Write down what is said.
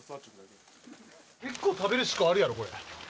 結構食べるしこあるやろこれ。